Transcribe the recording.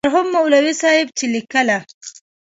مرحوم مولوي صاحب چې لیکله.